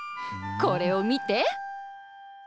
これをみて！